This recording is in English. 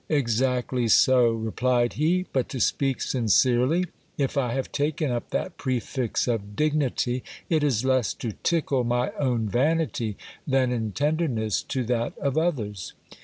Exactly so, replied he ; but to speak sincerely, if I have taken up that prefix of dignity, it is less to tickle my own vanity, than in tenderness to that of others.